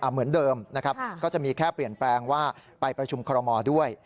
เหมือนเดิมนะครับก็จะมีแค่เปลี่ยนแปลงว่าไปประชุมคอรมอลด้วย